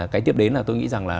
cái tiếp đến là tôi nghĩ rằng là